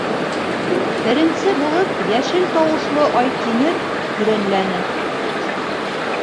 Беренсе булып йәшел тауышлы Айтимер һөрәнләне.